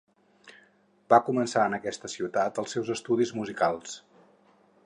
Va començar en aquesta ciutat els seus estudis musicals.